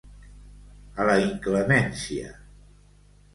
A la inclemència.